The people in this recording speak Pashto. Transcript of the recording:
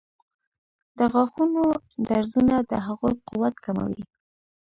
د غاښونو درزونه د هغوی قوت کموي.